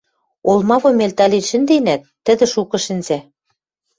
Олмавум элтӓлен шӹнденӓт, тӹдӹ шукы шӹнзӓ.